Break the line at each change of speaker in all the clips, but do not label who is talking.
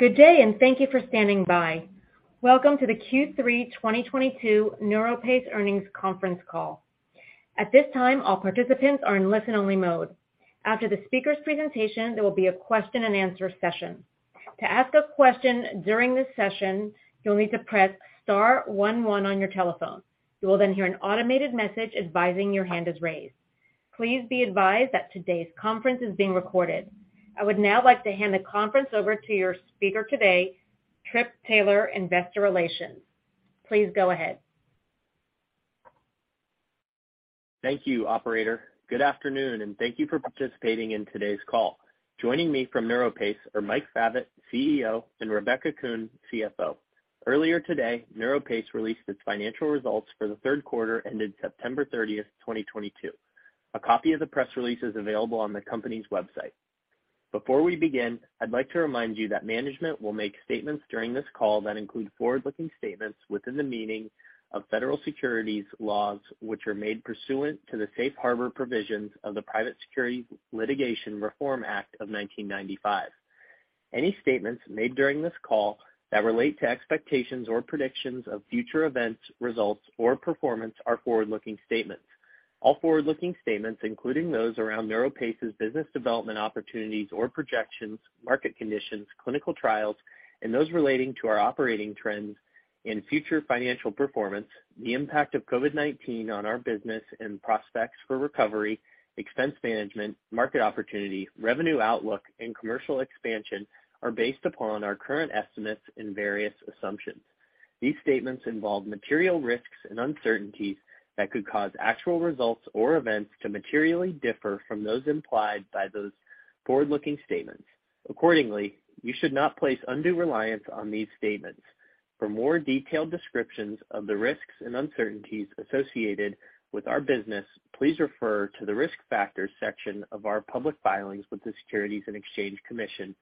Good day, thank you for standing by. Welcome to the Q3 2022 NeuroPace Earnings Conference Call. At this time, all participants are in listen only mode. After the speaker's presentation, there will be a question and answer session. To ask a question during this session, you'll need to press star 11 on your telephone. You will hear an automated message advising your hand is raised. Please be advised that today's conference is being recorded. I would now like to hand the conference over to your speaker today, Trip Taylor, investor relations. Please go ahead.
Thank you, operator. Good afternoon, thank you for participating in today's call. Joining me from NeuroPace are Mike Favet, CEO, and Rebecca Kuhn, CFO. Earlier today, NeuroPace released its financial results for the third quarter ended September 30, 2022. A copy of the press release is available on the company's website. Before we begin, I'd like to remind you that management will make statements during this call that include forward-looking statements within the meaning of federal securities laws, which are made pursuant to the safe harbor provisions of the Private Securities Litigation Reform Act of 1995. Any statements made during this call that relate to expectations or predictions of future events, results or performance are forward-looking statements. All forward-looking statements, including those around NeuroPace's business development opportunities or projections, market conditions, clinical trials, and those relating to our operating trends and future financial performance, the impact of COVID-19 on our business and prospects for recovery, expense management, market opportunity, revenue outlook, and commercial expansion, are based upon our current estimates and various assumptions. These statements involve material risks and uncertainties that could cause actual results or events to materially differ from those implied by those forward-looking statements. Accordingly, you should not place undue reliance on these statements. For more detailed descriptions of the risks and uncertainties associated with our business, please refer to the Risk Factors section of our public filings with the Securities and Exchange Commission,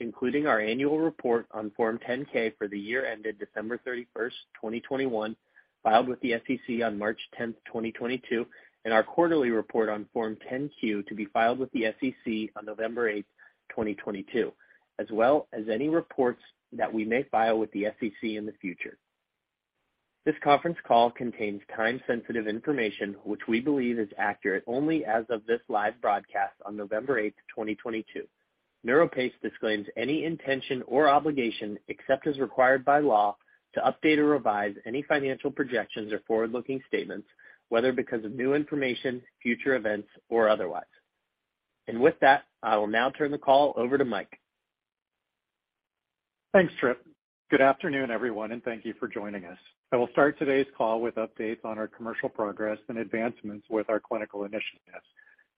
including our annual report on Form 10-K for the year ended December 31, 2021, filed with the SEC on March 10, 2022, and our quarterly report on Form 10-Q to be filed with the SEC on November 8, 2022, as well as any reports that we may file with the SEC in the future. This conference call contains time-sensitive information, which we believe is accurate only as of this live broadcast on November 8, 2022. NeuroPace disclaims any intention or obligation, except as required by law, to update or revise any financial projections or forward-looking statements, whether because of new information, future events, or otherwise. With that, I will now turn the call over to Mike.
Thanks, Trip. Good afternoon, everyone, and thank you for joining us. I will start today's call with updates on our commercial progress and advancements with our clinical initiatives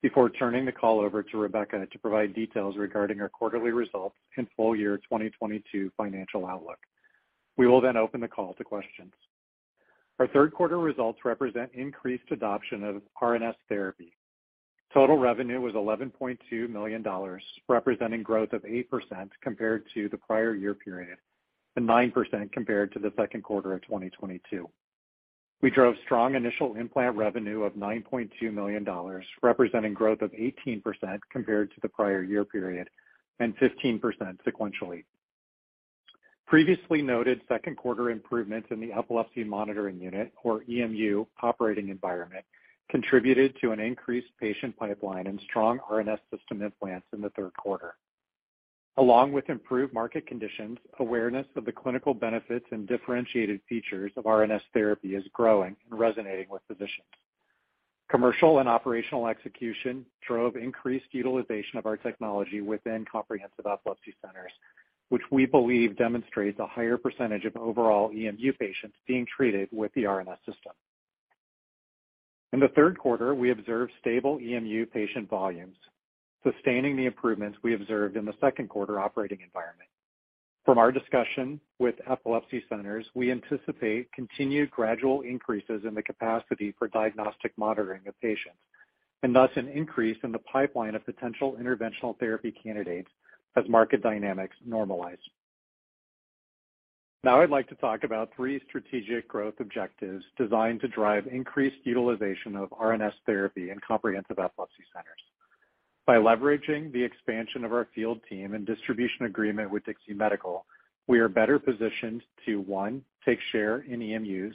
before turning the call over to Rebecca to provide details regarding our quarterly results and full year 2022 financial outlook. We will open the call to questions. Our third quarter results represent increased adoption of RNS therapy. Total revenue was $11.2 million, representing growth of 8% compared to the prior year period, and 9% compared to the second quarter of 2022. We drove strong initial implant revenue of $9.2 million, representing growth of 18% compared to the prior year period, and 15% sequentially. Previously noted second quarter improvements in the Epilepsy Monitoring Unit, or EMU, operating environment contributed to an increased patient pipeline and strong RNS System implants in the third quarter. Along with improved market conditions, awareness of the clinical benefits and differentiated features of RNS therapy is growing and resonating with physicians. Commercial and operational execution drove increased utilization of our technology within Comprehensive Epilepsy Centers, which we believe demonstrates a higher percentage of overall EMU patients being treated with the RNS System. In the third quarter, we observed stable EMU patient volumes, sustaining the improvements we observed in the second quarter operating environment. From our discussion with epilepsy centers, we anticipate continued gradual increases in the capacity for diagnostic monitoring of patients, and thus an increase in the pipeline of potential interventional therapy candidates as market dynamics normalize. Now I'd like to talk about three strategic growth objectives designed to drive increased utilization of RNS therapy in Comprehensive Epilepsy Centers. By leveraging the expansion of our field team and distribution agreement with DIXI Medical, we are better positioned to, one, take share in EMUs.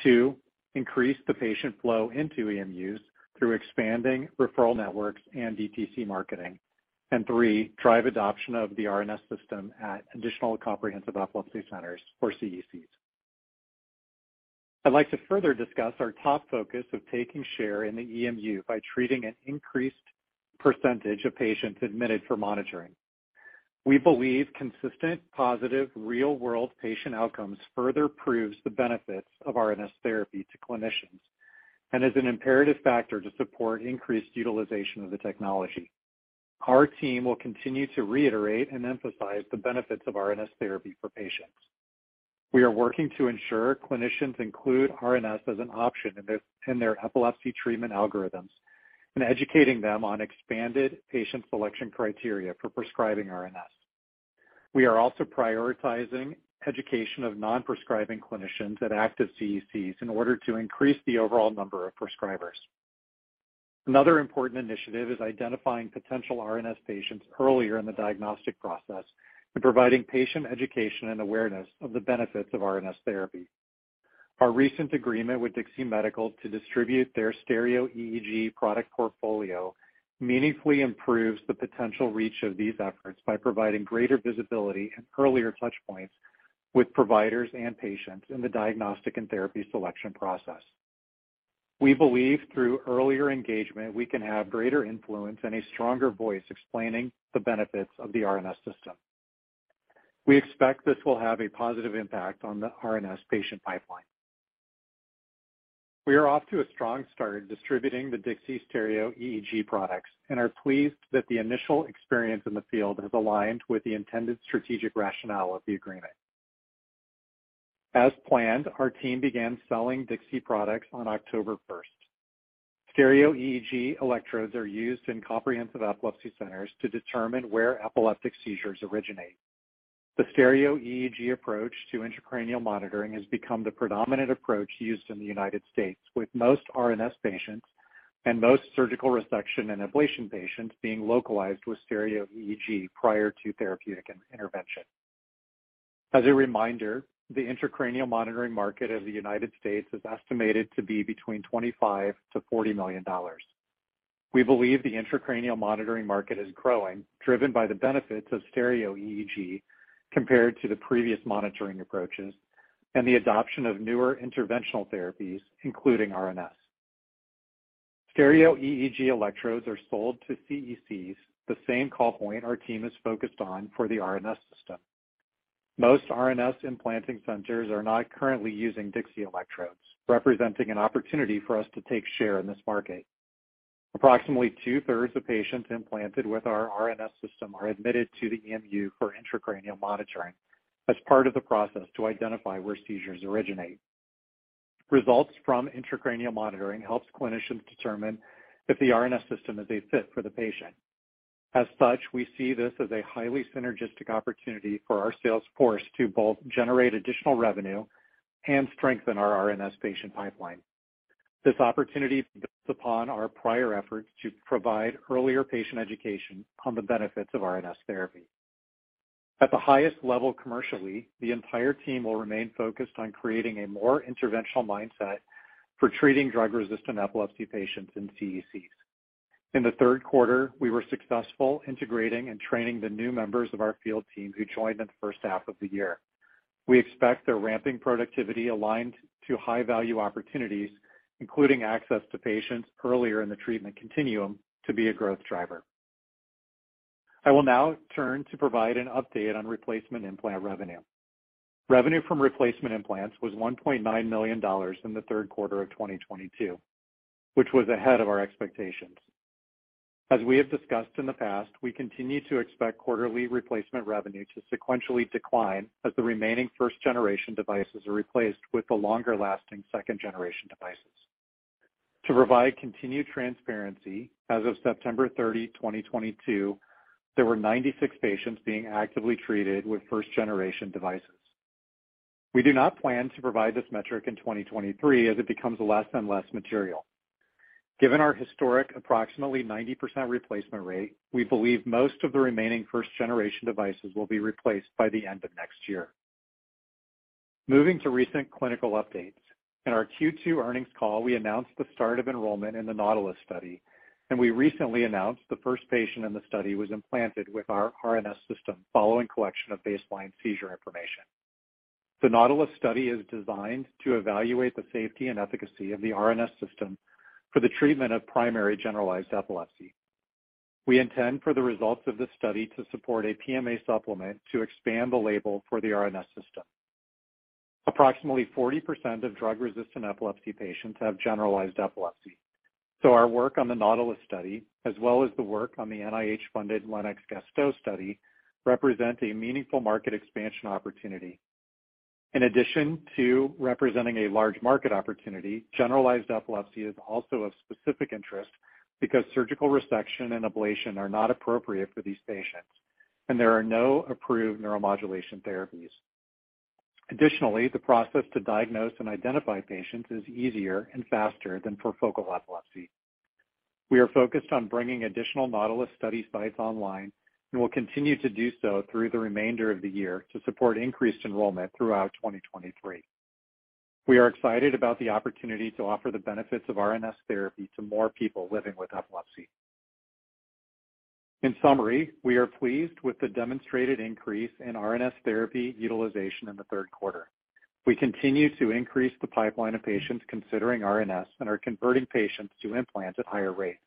Two, increase the patient flow into EMUs through expanding referral networks and DTC marketing. Three, drive adoption of the RNS System at additional Comprehensive Epilepsy Centers, or CECs. I'd like to further discuss our top focus of taking share in the EMU by treating an increased percentage of patients admitted for monitoring. We believe consistent, positive, real-world patient outcomes further proves the benefits of RNS therapy to clinicians and is an imperative factor to support increased utilization of the technology. Our team will continue to reiterate and emphasize the benefits of RNS therapy for patients. We are working to ensure clinicians include RNS as an option in their epilepsy treatment algorithms and educating them on expanded patient selection criteria for prescribing RNS. We are also prioritizing education of non-prescribing clinicians at active CECs in order to increase the overall number of prescribers. Another important initiative is identifying potential RNS patients earlier in the diagnostic process and providing patient education and awareness of the benefits of RNS therapy. Our recent agreement with DIXI Medical to distribute their stereo EEG product portfolio meaningfully improves the potential reach of these efforts by providing greater visibility and earlier touchpoints with providers and patients in the diagnostic and therapy selection process. We believe through earlier engagement, we can have greater influence and a stronger voice explaining the benefits of the RNS System. We expect this will have a positive impact on the RNS patient pipeline. We are off to a strong start distributing the DIXI stereo EEG products and are pleased that the initial experience in the field has aligned with the intended strategic rationale of the agreement. As planned, our team began selling DIXI products on October first. Stereo EEG electrodes are used in Comprehensive Epilepsy Centers to determine where epileptic seizures originate. The stereo EEG approach to intracranial monitoring has become the predominant approach used in the U.S., with most RNS patients and most surgical resection and ablation patients being localized with stereo EEG prior to therapeutic intervention. As a reminder, the intracranial monitoring market of the U.S. is estimated to be between $25 million-$40 million. We believe the intracranial monitoring market is growing, driven by the benefits of stereo EEG compared to the previous monitoring approaches and the adoption of newer interventional therapies, including RNS. Stereo EEG electrodes are sold to CECs, the same call point our team is focused on for the RNS System. Most RNS implanting centers are not currently using DIXI electrodes, representing an opportunity for us to take share in this market. Approximately two-thirds of patients implanted with our RNS System are admitted to the EMU for intracranial monitoring as part of the process to identify where seizures originate. Results from intracranial monitoring helps clinicians determine if the RNS System is a fit for the patient. As such, we see this as a highly synergistic opportunity for our sales force to both generate additional revenue and strengthen our RNS patient pipeline. This opportunity builds upon our prior efforts to provide earlier patient education on the benefits of RNS therapy. At the highest level commercially, the entire team will remain focused on creating a more interventional mindset for treating drug-resistant epilepsy patients in CECs. In the third quarter, we were successful integrating and training the new members of our field team who joined in the first half of the year. We expect their ramping productivity aligned to high-value opportunities, including access to patients earlier in the treatment continuum, to be a growth driver. I will now turn to provide an update on replacement implant revenue. Revenue from replacement implants was $1.9 million in the third quarter of 2022, which was ahead of our expectations. As we have discussed in the past, we continue to expect quarterly replacement revenue to sequentially decline as the remaining first-generation devices are replaced with the longer lasting second-generation devices. To provide continued transparency, as of September 30, 2022, there were 96 patients being actively treated with first-generation devices. We do not plan to provide this metric in 2023 as it becomes less and less material. Given our historic approximately 90% replacement rate, we believe most of the remaining first-generation devices will be replaced by the end of next year. Moving to recent clinical updates. In our Q2 earnings call, we announced the start of enrollment in the NAUTILUS Study, and we recently announced the first patient in the study was implanted with our RNS System following collection of baseline seizure information. The NAUTILUS Study is designed to evaluate the safety and efficacy of the RNS System for the treatment of primary generalized epilepsy. We intend for the results of this study to support a PMA supplement to expand the label for the RNS System. Approximately 40% of drug-resistant epilepsy patients have generalized epilepsy. Our work on the NAUTILUS Study, as well as the work on the NIH-funded Lennox-Gastaut study, represent a meaningful market expansion opportunity. In addition to representing a large market opportunity, generalized epilepsy is also of specific interest because surgical resection and ablation are not appropriate for these patients, and there are no approved neuromodulation therapies. Additionally, the process to diagnose and identify patients is easier and faster than for focal epilepsy. We are focused on bringing additional NAUTILUS Study sites online and will continue to do so through the remainder of the year to support increased enrollment throughout 2023. We are excited about the opportunity to offer the benefits of RNS therapy to more people living with epilepsy. In summary, we are pleased with the demonstrated increase in RNS therapy utilization in the third quarter. We continue to increase the pipeline of patients considering RNS and are converting patients to implants at higher rates.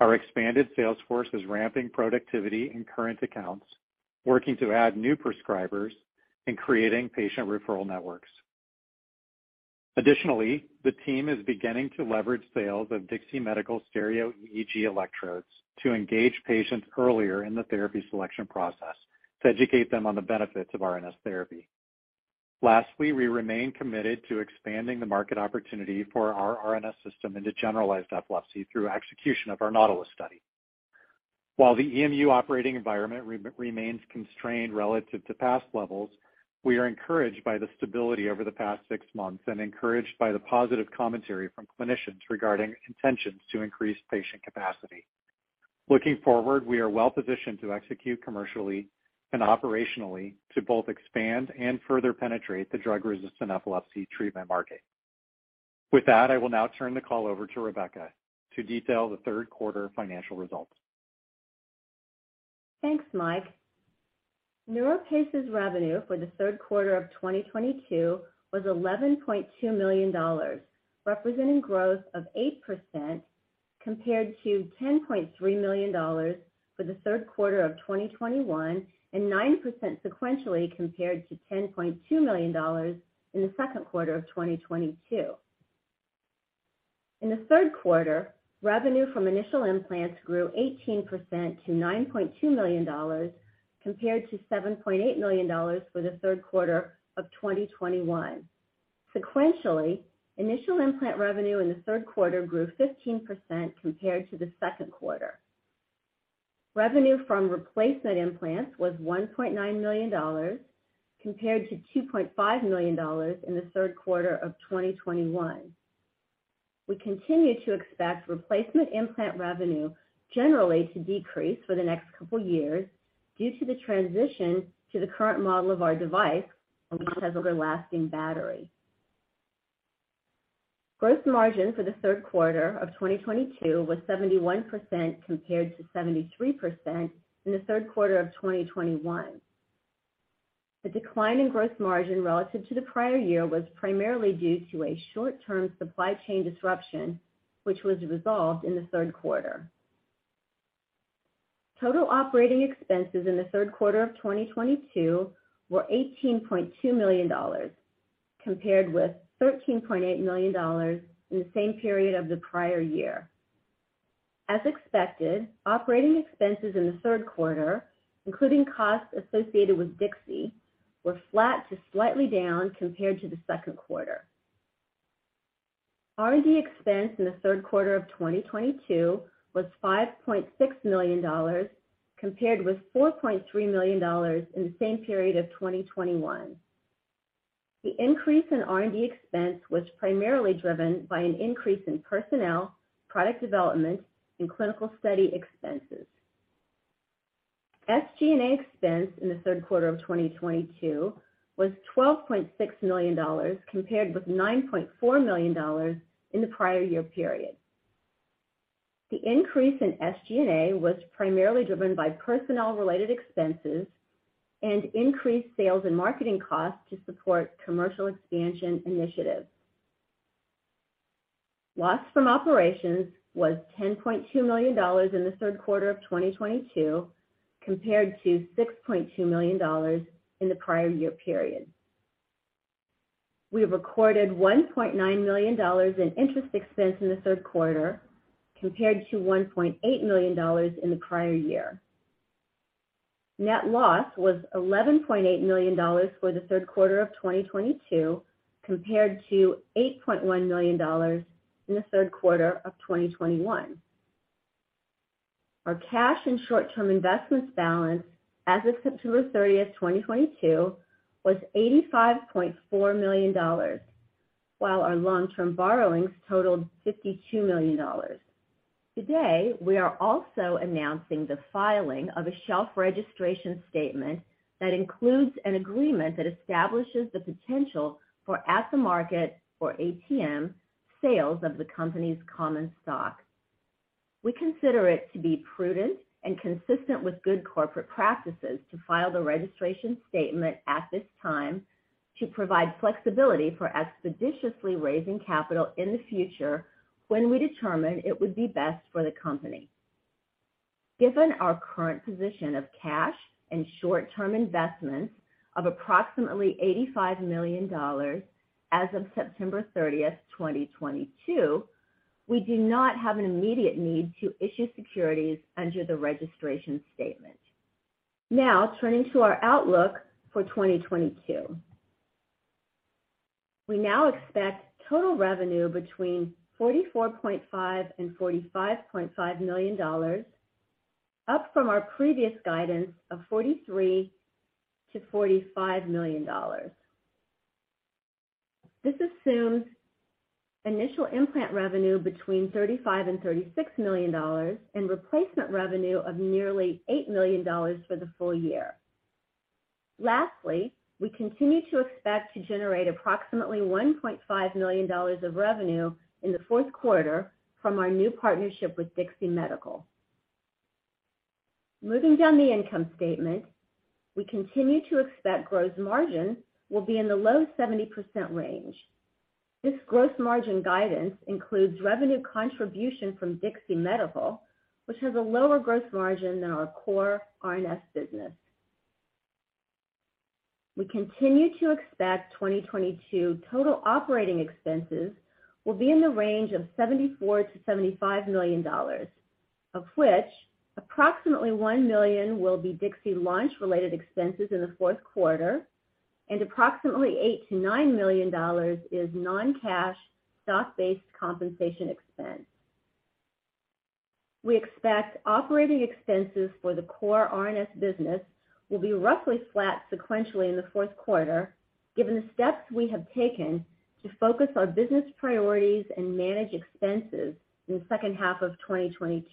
Our expanded sales force is ramping productivity in current accounts, working to add new prescribers, and creating patient referral networks. Additionally, the team is beginning to leverage sales of DIXI Medical stereo EEG electrodes to engage patients earlier in the therapy selection process to educate them on the benefits of RNS therapy. Lastly, we remain committed to expanding the market opportunity for our RNS System into generalized epilepsy through execution of our NAUTILUS Study. While the EMU operating environment remains constrained relative to past levels, we are encouraged by the stability over the past six months and encouraged by the positive commentary from clinicians regarding intentions to increase patient capacity. Looking forward, we are well-positioned to execute commercially and operationally to both expand and further penetrate the drug-resistant epilepsy treatment market. With that, I will now turn the call over to Rebecca to detail the third quarter financial results.
Thanks, Mike. NeuroPace's revenue for the third quarter of 2022 was $11.2 million, representing growth of 8% compared to $10.3 million for the third quarter of 2021, and 9% sequentially compared to $10.2 million in the second quarter of 2022. In the third quarter, revenue from initial implants grew 18% to $9.2 million, compared to $7.8 million for the third quarter of 2021. Sequentially, initial implant revenue in the third quarter grew 15% compared to the second quarter. Revenue from replacement implants was $1.9 million compared to $2.5 million in the third quarter of 2021. We continue to expect replacement implant revenue generally to decrease for the next couple years due to the transition to the current model of our device, which has a lasting battery. Gross margin for the third quarter of 2022 was 71% compared to 73% in the third quarter of 2021. The decline in gross margin relative to the prior year was primarily due to a short-term supply chain disruption, which was resolved in the third quarter. Total operating expenses in the third quarter of 2022 were $18.2 million, compared with $13.8 million in the same period of the prior year. As expected, operating expenses in the third quarter, including costs associated with Dixie, were flat to slightly down compared to the second quarter. R&D expense in the third quarter of 2022 was $5.6 million, compared with $4.3 million in the same period of 2021. The increase in R&D expense was primarily driven by an increase in personnel, product development, and clinical study expenses. SG&A expense in the third quarter of 2022 was $12.6 million, compared with $9.4 million in the prior year period. The increase in SG&A was primarily driven by personnel-related expenses and increased sales and marketing costs to support commercial expansion initiatives. Loss from operations was $10.2 million in the third quarter of 2022, compared to $6.2 million in the prior year period. We have recorded $1.9 million in interest expense in the third quarter, compared to $1.8 million in the prior year. Net loss was $11.8 million for the third quarter of 2022, compared to $8.1 million in the third quarter of 2021. Our cash and short-term investments balance as of September 30th, 2022, was $85.4 million, while our long-term borrowings totaled $52 million. Today, we are also announcing the filing of a shelf registration statement that includes an agreement that establishes the potential for at-the-market, or ATM, sales of the company's common stock. We consider it to be prudent and consistent with good corporate practices to file the registration statement at this time to provide flexibility for expeditiously raising capital in the future when we determine it would be best for the company. Given our current position of cash and short-term investments of approximately $85 million as of September 30th, 2022, we do not have an immediate need to issue securities under the registration statement. Now turning to our outlook for 2022. We now expect total revenue between $44.5 million and $45.5 million, up from our previous guidance of $43 million to $45 million. This assumes initial implant revenue between $35 million and $36 million and replacement revenue of nearly $8 million for the full year. Lastly, we continue to expect to generate approximately $1.5 million of revenue in the fourth quarter from our new partnership with DIXI Medical. Moving down the income statement, we continue to expect gross margin will be in the low 70% range. This gross margin guidance includes revenue contribution from DIXI Medical, which has a lower gross margin than our core RNS business. We continue to expect 2022 total operating expenses will be in the range of $74 million to $75 million, of which approximately $1 million will be Dixie launch-related expenses in the fourth quarter. Approximately $8 million to $9 million is non-cash stock-based compensation expense. We expect operating expenses for the core RNS business will be roughly flat sequentially in the fourth quarter, given the steps we have taken to focus on business priorities and manage expenses in the second half of 2022.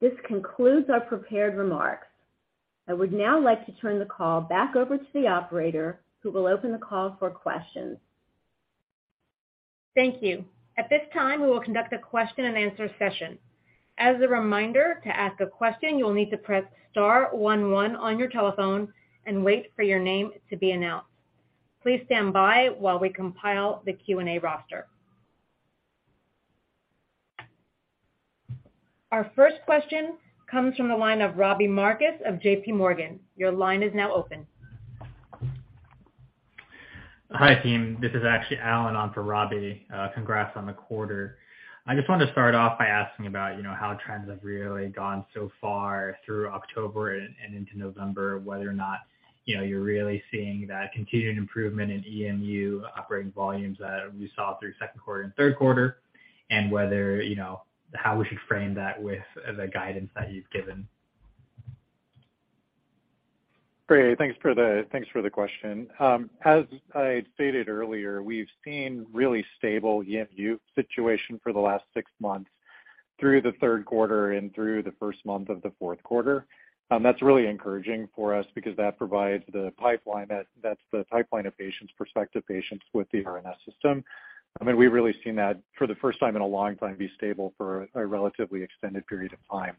This concludes our prepared remarks. I would now like to turn the call back over to the operator, who will open the call for questions.
Thank you. At this time, we will conduct a question-and-answer session. As a reminder, to ask a question, you will need to press star one one on your telephone and wait for your name to be announced. Please stand by while we compile the Q&A roster. Our first question comes from the line of Robbie Marcus of JPMorgan. Your line is now open.
Hi, team. This is actually Allen on for Robbie. Congrats on the quarter. I just wanted to start off by asking about how trends have really gone so far through October and into November, whether or not you're really seeing that continued improvement in EMU operating volumes that we saw through second quarter and third quarter, and how we should frame that with the guidance that you've given.
Great. Thanks for the question. As I stated earlier, we've seen really stable EMU situation for the last six months through the third quarter and through the first month of the fourth quarter. That's really encouraging for us because that provides the pipeline. That's the pipeline of patients, prospective patients with the RNS System. We've really seen that, for the first time in a long time, be stable for a relatively extended period of time.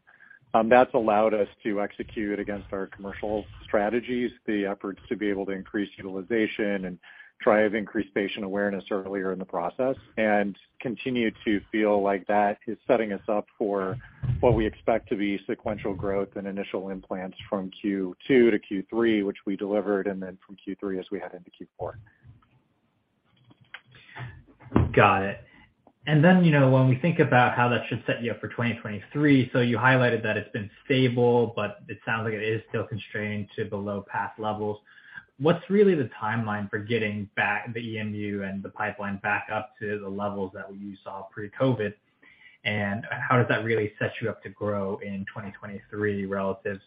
That's allowed us to execute against our commercial strategies, the efforts to be able to increase utilization and drive increased patient awareness earlier in the process, and continue to feel like that is setting us up for what we expect to be sequential growth and initial implants from Q2 to Q3, which we delivered, and then from Q3 as we head into Q4.
Got it. Then, when we think about how that should set you up for 2023, you highlighted that it's been stable, but it sounds like it is still constrained to below path levels. What's really the timeline for getting back the EMU and the pipeline back up to the levels that you saw pre-COVID? How does that really set you up to grow in 2023 relative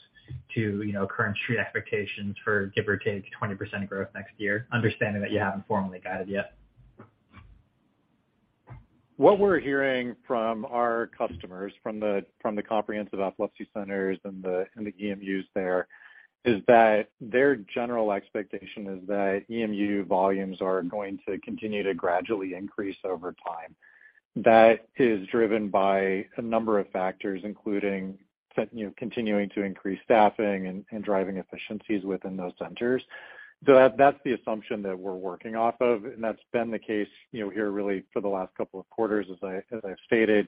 to current street expectations for give or take 20% growth next year, understanding that you haven't formally guided yet?
What we're hearing from our customers, from the Comprehensive Epilepsy Centers and the EMUs there, is that their general expectation is that EMU volumes are going to continue to gradually increase over time. That is driven by a number of factors, including continuing to increase staffing and driving efficiencies within those centers. That's the assumption that we're working off of, and that's been the case here really for the last couple of quarters, as I've stated.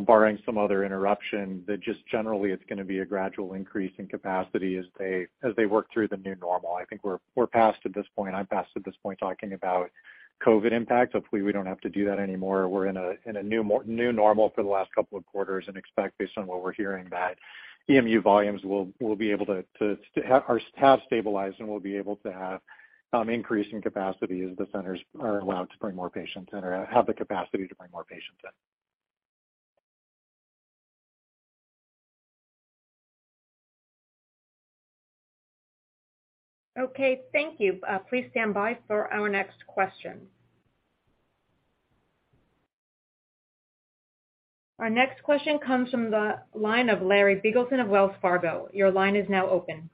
Barring some other interruption, that just generally it's going to be a gradual increase in capacity as they work through the new normal. I think we're past at this point. I'm past at this point talking about COVID impact. Hopefully, we don't have to do that anymore. We're in a new normal for the last couple of quarters and expect based on what we're hearing, that EMU volumes have stabilized and we'll be able to have increasing capacity as the centers are allowed to bring more patients in or have the capacity to bring more patients in.
Okay, thank you. Please stand by for our next question. Our next question comes from the line of Larry Biegelsen of Wells Fargo. Your line is now open.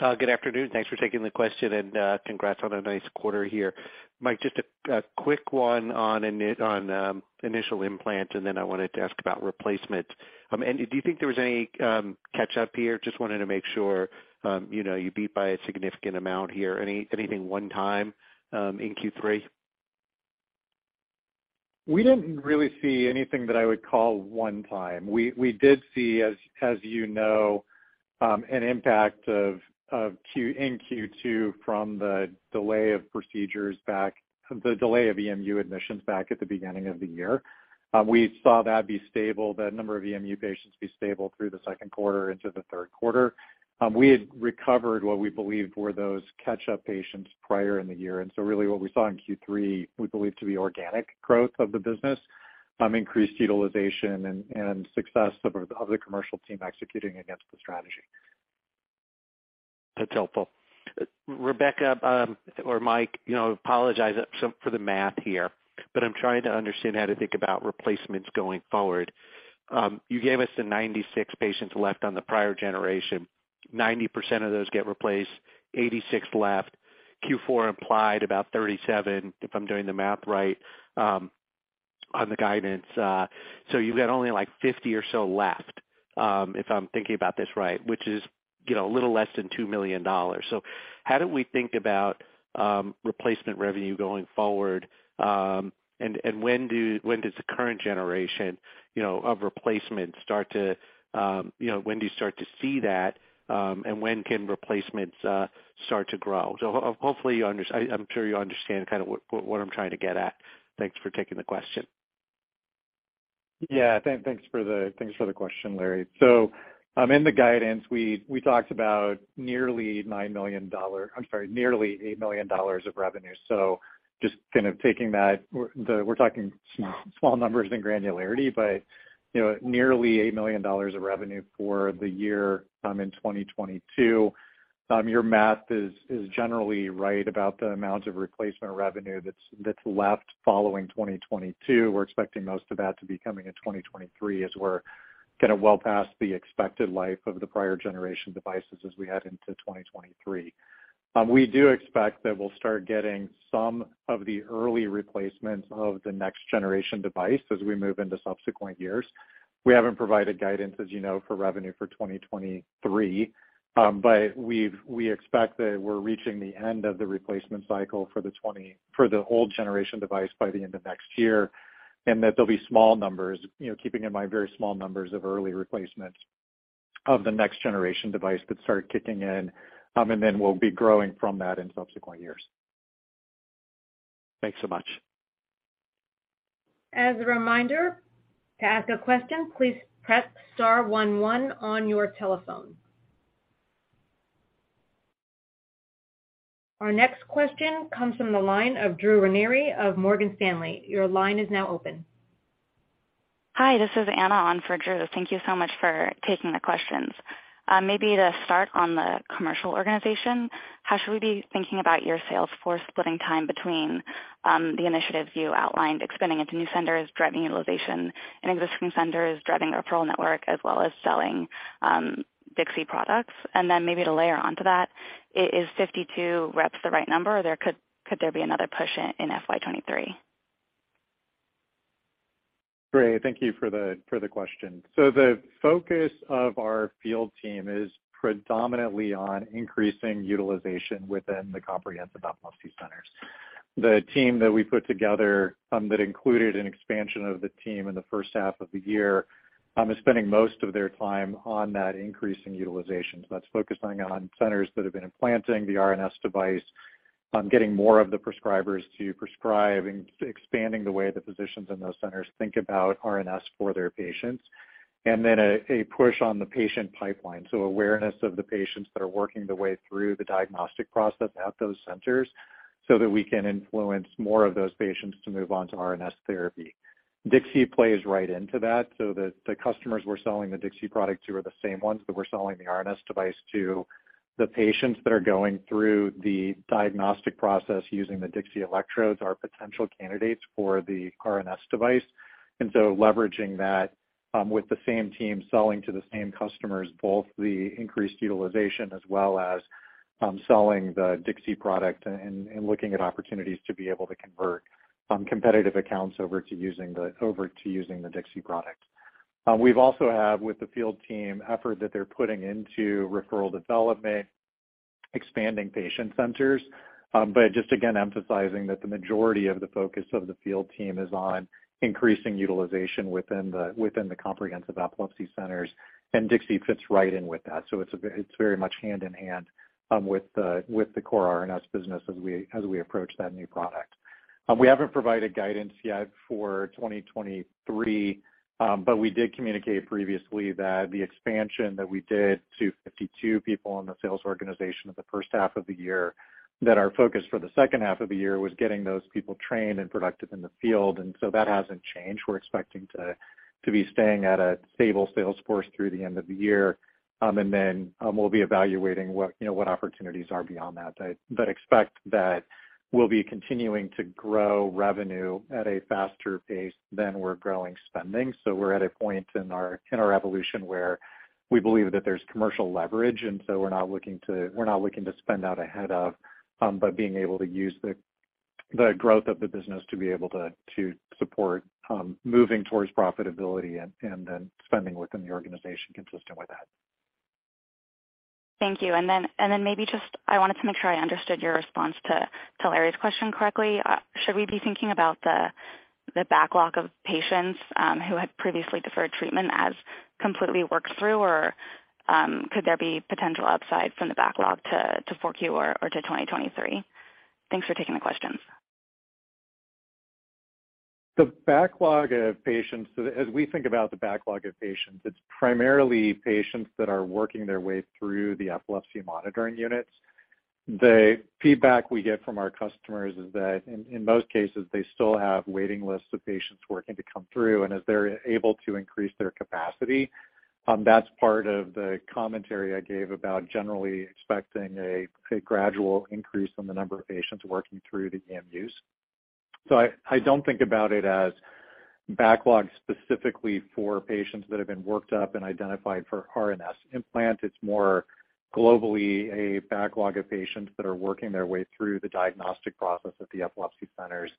Good afternoon. Thanks for taking the question and congrats on a nice quarter here. Mike, just a quick one on initial implant, then I wanted to ask about replacement. Do you think there was any catch-up here? Just wanted to make sure you beat by a significant amount here. Anything one time in Q3?
We didn't really see anything that I would call one time. We did see, as you know, an impact in Q2 from the delay of EMU admissions back at the beginning of the year. We saw that be stable, that number of EMU patients be stable through the second quarter into the third quarter. We had recovered what we believed were those catch-up patients prior in the year. Really what we saw in Q3 we believe to be organic growth of the business, increased utilization, and success of the commercial team executing against the strategy.
That's helpful. Rebecca or Mike, apologize for the math here, but I'm trying to understand how to think about replacements going forward. You gave us the 96 patients left on the prior generation. 90% of those get replaced, 86 left. Q4 implied about 37, if I'm doing the math right, on the guidance. You've got only 50 or so left, if I'm thinking about this right, which is a little less than $2 million. How do we think about replacement revenue going forward? When do you start to see that? When can replacements start to grow? Hopefully, I'm sure you understand what I'm trying to get at. Thanks for taking the question.
Thanks for the question, Larry. In the guidance, we talked about nearly $8 million of revenue. Just kind of taking that, we're talking small numbers and granularity, but nearly $8 million of revenue for the year in 2022. Your math is generally right about the amount of replacement revenue that's left following 2022. We're expecting most of that to be coming in 2023, as we're kind of well past the expected life of the prior generation devices as we head into 2023. We do expect that we'll start getting some of the early replacements of the next generation device as we move into subsequent years. We haven't provided guidance, as you know, for revenue for 2023. We expect that we're reaching the end of the replacement cycle for the old generation device by the end of next year, that there'll be small numbers, keeping in mind very small numbers of early replacements of the next generation device that start kicking in, we'll be growing from that in subsequent years.
Thanks so much.
As a reminder, to ask a question, please press star one one on your telephone. Our next question comes from the line of Drew Ranieri of Morgan Stanley. Your line is now open.
Hi, this is Anna on for Drew. Thank you so much for taking the questions. Maybe to start on the commercial organization, how should we be thinking about your sales force splitting time between the initiatives you outlined, expanding into new centers, driving utilization in existing centers, driving a referral network, as well as selling DIXI products? Then maybe to layer onto that, is 52 reps the right number, or could there be another push in FY 2023?
Great. Thank you for the question. The focus of our field team is predominantly on increasing utilization within the Comprehensive Epilepsy Centers. The team that we put together, that included an expansion of the team in the first half of the year, is spending most of their time on that increase in utilization. That's focusing on centers that have been implanting the RNS device, getting more of the prescribers to prescribe, and expanding the way the physicians in those centers think about RNS for their patients. Then a push on the patient pipeline, so awareness of the patients that are working the way through the diagnostic process at those centers so that we can influence more of those patients to move on to RNS therapy. DIXI plays right into that. The customers we are selling the DIXI product to are the same ones that we are selling the RNS System to. The patients that are going through the diagnostic process using the DIXI electrodes are potential candidates for the RNS System. Leveraging that with the same team selling to the same customers, both the increased utilization as well as selling the DIXI product and looking at opportunities to be able to convert competitive accounts over to using the DIXI product. We've also have with the field team effort that they are putting into referral development, expanding patient centers. Just again, emphasizing that the majority of the focus of the field team is on increasing utilization within the Comprehensive Epilepsy Centers, and DIXI fits right in with that. It is very much hand in hand with the core RNS business as we approach that new product. We have not provided guidance yet for 2023. We did communicate previously that the expansion that we did to 52 people in the sales organization in the first half of the year, that our focus for the second half of the year was getting those people trained and productive in the field. That has not changed. We are expecting to be staying at a stable sales force through the end of the year, and then we will be evaluating what opportunities are beyond that. Expect that we will be continuing to grow revenue at a faster pace than we are growing spending. We are at a point in our evolution where we believe that there is commercial leverage. We are not looking to spend out ahead of, but being able to use the growth of the business to be able to support moving towards profitability and then spending within the organization consistent with that.
Thank you. Maybe just, I wanted to make sure I understood your response to Larry's question correctly. Should we be thinking about the backlog of patients who had previously deferred treatment as completely worked through, or could there be potential upside from the backlog to 4Q or to 2023? Thanks for taking the questions.
The backlog of patients, as we think about the backlog of patients, it's primarily patients that are working their way through the epilepsy monitoring units. The feedback we get from our customers is that in most cases, they still have waiting lists of patients working to come through. As they're able to increase their capacity, that's part of the commentary I gave about generally expecting a gradual increase in the number of patients working through the EMUs. I don't think about it as backlog specifically for patients that have been worked up and identified for RNS implant. It's more globally a backlog of patients that are working their way through the diagnostic process at the epilepsy centers.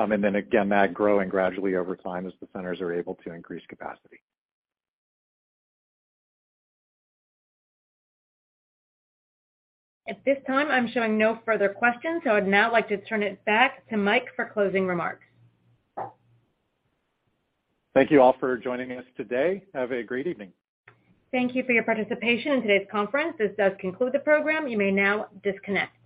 Again, that growing gradually over time as the centers are able to increase capacity.
At this time, I'm showing no further questions, so I'd now like to turn it back to Mike for closing remarks.
Thank you all for joining us today. Have a great evening.
Thank you for your participation in today's conference. This does conclude the program. You may now disconnect.